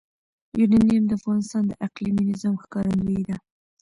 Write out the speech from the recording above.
یورانیم د افغانستان د اقلیمي نظام ښکارندوی ده.